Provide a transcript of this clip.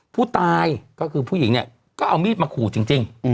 ผู้ตายก็คือผู้หญิงเนี่ยก็เอามีดมาขู่จริง